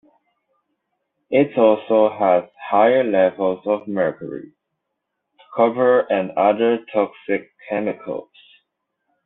It also has high levels of mercury, copper and other toxic chemicals.